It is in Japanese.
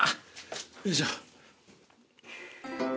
よいしょ。